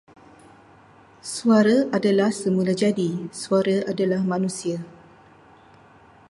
Suara adalah semulajadi, suara adalah manusia.